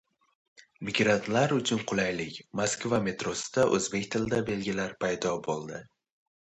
Migrantlar uchun qulaylik: Moskva metrosida o‘zbek tilida belgilar paydo bo‘ldi